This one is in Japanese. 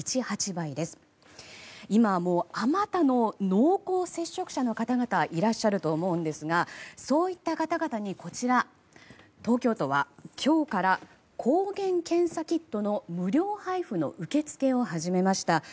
今、あまたの濃厚接触者の方々いらっしゃると思うんですがそういった方々に東京都は今日から抗原検査キットの無料配布の受け付けを始めました。